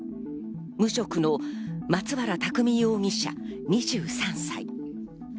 無職の松原拓海容疑者、２３歳。